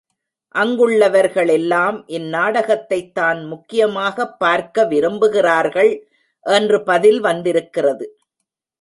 அங்குள்ளவர்களெல்லாம் இந்நாடகத்தைத் தான் முக்கியமாகப் பார்க்க விரும்புகிறார்கள் என்று பதில் வந்திருக்கிறது.